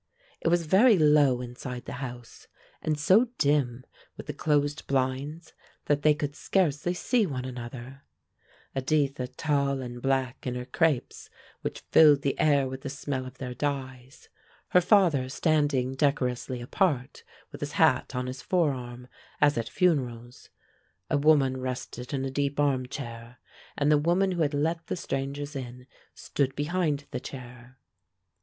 It was very low inside the house, and so dim, with the closed blinds, that they could scarcely see one another: Editha tall and black in her crapes which filled the air with the smell of their dyes; her father standing decorously apart with his hat on his forearm, as at funerals; a woman rested in a deep armchair, and the woman who had let the strangers in stood behind the chair.